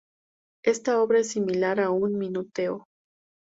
Esta obra es similar a un minueto.